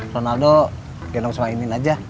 ronaldo gendong sama imin aja